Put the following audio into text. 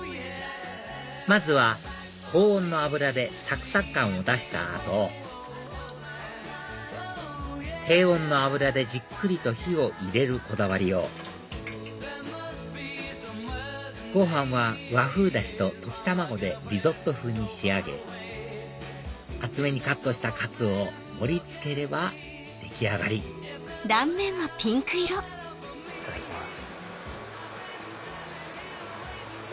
まずは高温の油でサクサク感を出した後低温の油でじっくりと火を入れるこだわりようご飯は和風ダシと溶き卵でリゾット風に仕上げ厚めにカットしたカツを盛り付ければ出来上がりいただきます。